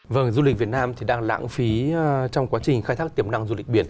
vâng du lịch việt nam thì đang lãng phí trong quá trình khai thác tiềm năng du lịch biển